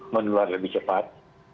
menular lebih cepat